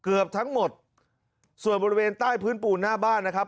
เกือบทั้งหมดส่วนบริเวณใต้พื้นปูนหน้าบ้านนะครับ